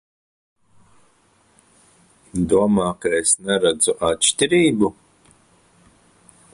Domā, ka es neredzu atšķirību?